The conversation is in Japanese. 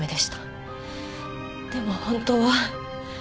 でも本当は。